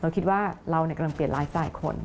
เราคิดว่าเรากำลังเปลี่ยนไลฟ์สไตล์คน